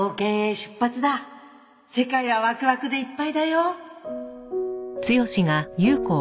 「世界はワクワクでいっぱいだよ！」